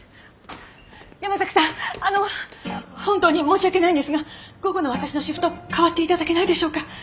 山崎さんあの本当に申し訳ないんですが午後の私のシフト代わって頂けないでしょうか。